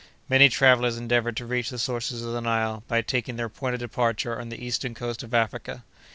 Many travellers endeavored to reach the sources of the Nile by taking their point of departure on the eastern coast of Africa.